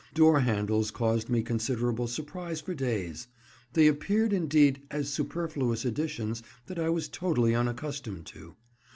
Door handles caused me considerable surprise for days: they appeared, indeed, as superfluous additions that I was totally unaccustomed to.